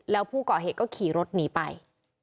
แล้วผู้ก่อเหตุก็ขี่รถหนีไป